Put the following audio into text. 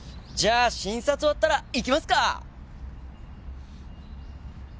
じゃあ診察終わったら行きますか！